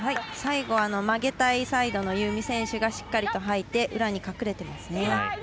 最後、曲げたいサイドの夕湖選手がしっかりとはいて裏に隠れていますね。